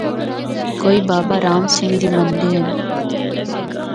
کوئی بابارام سنگھ دی مندے ہن۔